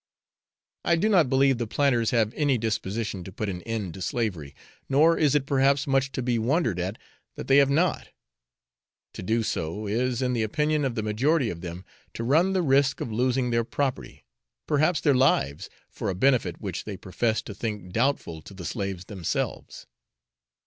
I do not believe the planters have any disposition to put an end to slavery, nor is it perhaps much to be wondered at that they have not. To do so is, in the opinion of the majority of them, to run the risk of losing their property, perhaps their lives, for a benefit which they profess to think doubtful to the slaves themselves.